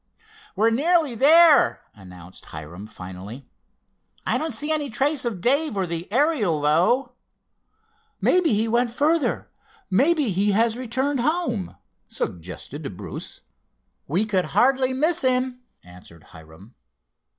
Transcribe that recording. "We're nearly there," announced Hiram finally. "I don't see any trace of Dave or the Ariel, though." "Maybe he went further—maybe he has returned home," suggested Bruce. "We could hardly miss him," answered Hiram.